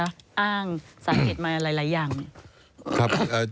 อ้างสาเหตุมาหลายอย่าง